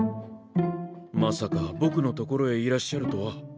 まさか僕の所へいらっしゃるとは。